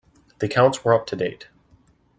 The accounts were up to date.